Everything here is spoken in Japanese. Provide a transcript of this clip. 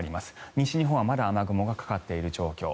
西日本はまだ雨雲がかかっている状況。